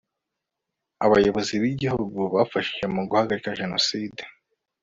abayobozi b'ibihugu bafashije mu guhagarika jenoside